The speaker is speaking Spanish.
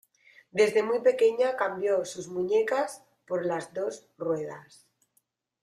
Desde muy pequeña cambió sus muñecas por las dos ruedas.